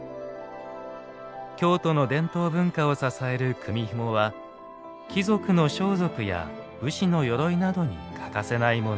京都の伝統文化を支える組みひもは貴族の装束や武士の鎧などに欠かせないもの。